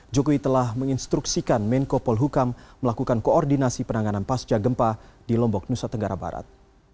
jokowi telah menginstruksikan menko polhukam melakukan koordinasi penanganan pasca gempa di lombok nusa tenggara barat